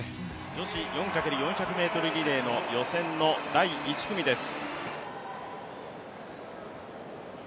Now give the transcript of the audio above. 女子４×４００ｍのリレーの第１組です。